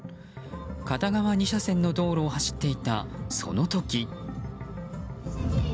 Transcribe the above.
片側２車線の道路を走っていたその時。